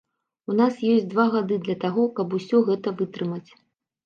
У нас ёсць два гады для таго, каб усё гэта вытрымаць.